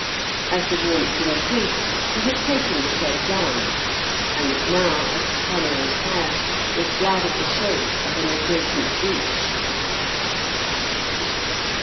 As the warmth increased he had taken the shed down, and now as the sun rose higher was glad of the shade of an adjacent beech.